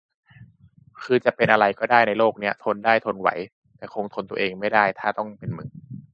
คือจะเป็นอะไรก็ได้ในโลกนี้ ทนได้ ทนไหว แต่คงทนตัวเองไม่ได้ถ้าต้องเป็นมึง